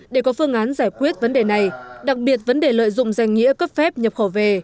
để có phương án giải quyết vấn đề này đặc biệt vấn đề lợi dụng danh nghĩa cấp phép nhập khẩu về